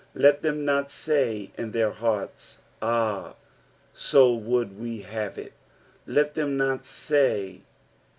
Let than not tay in their heart*. Ah, to wruld ue hat« it : let them not lay.